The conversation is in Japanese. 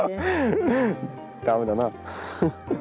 駄目だな。